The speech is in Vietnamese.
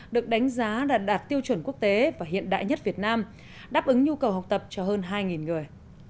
được đánh giá là đạt tiêu chuẩn quốc tế và hiện đại nhất việt nam đáp ứng nhu cầu học tập cho hơn hai người